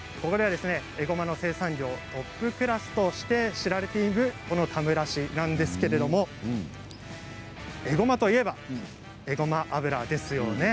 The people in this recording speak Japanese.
えごまの生産量トップクラスとして知られているこの田村市なんですけれどもえごまといえばえごま油ですよね。